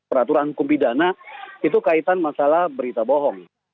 peraturan hukum pidana itu kaitan masalah berita bohong